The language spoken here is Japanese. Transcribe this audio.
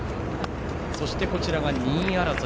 そして、２位争い。